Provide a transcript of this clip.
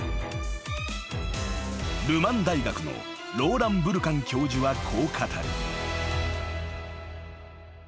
［ル・マン大学のローラン・ブルカン教授はこう語る］